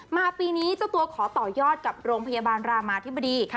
ปีนี้เจ้าตัวขอต่อยอดกับโรงพยาบาลรามาธิบดี